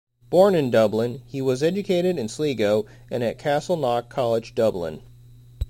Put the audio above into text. Born in Dublin, he was educated in Sligo and at Castleknock College, Dublin.